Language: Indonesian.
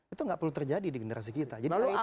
itu nggak perlu terjadi di generasi kita